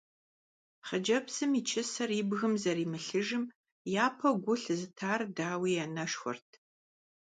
Хъыджэбзым и чысэр и бгым зэримылъыжым япэу гу лъызытар, дауи, и анэшхуэрт.